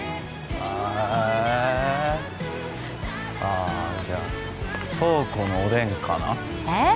えっああじゃあ瞳子のおでんかなえっ？